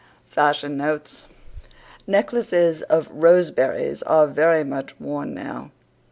FASHION NOTES Necklaces of roseberries are very much worn now.